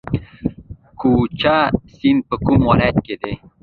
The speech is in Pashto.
کوکچه سیند په کوم ولایت کې دی؟